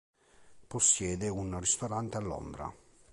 Possiede un ristorante a Londra.